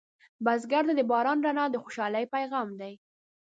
بزګر ته د باران رڼا د خوشحالۍ پیغام دی